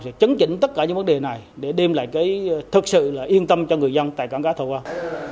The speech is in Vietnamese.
sẽ chấn chỉnh tất cả những vấn đề này để đem lại cái thật sự là yên tâm cho người dân tại cảnh cá thọ quang